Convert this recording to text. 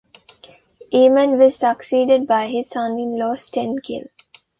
Emund was succeeded by his son-in law, Stenkil.